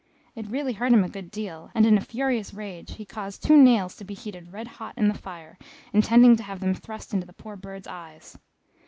It really hurt him a good deal, and, in a furious rage, he caused two nails to be heated red hot in the fire, intending to have them thrust into the poor bird's eyes.